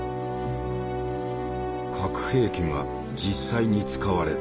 核兵器が実際に使われた。